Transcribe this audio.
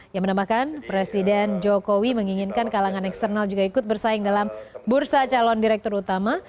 yang menambahkan presiden jokowi menginginkan kalangan eksternal juga ikut bersaing dalam bursa calon direktur utama